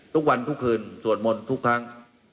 ทุกวันทุกคืนสวดมนต์ทุกครั้ง